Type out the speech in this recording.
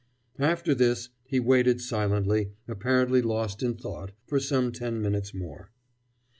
After this he waited silently, apparently lost in thought, for some ten minutes more.